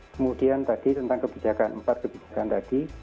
kemudian tadi tentang kebijakan empat kebijakan tadi